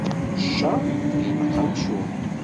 Ccer ineqq amcum.